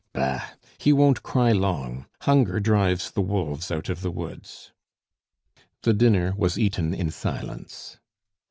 "Bah! he won't cry long. Hunger drives the wolves out of the woods." The dinner was eaten in silence.